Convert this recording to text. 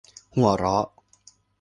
หัวเราะ